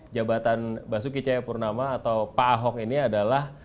jabatan basuki cahayapurnama atau pak ahok ini adalah